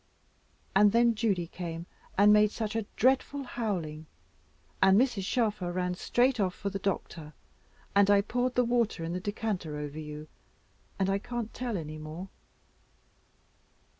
And then Judy came and made such a dreadful howling, and Mrs. Shelfer ran straight off for the doctor, and I poured the water in the decanter over you, and I can't tell any more."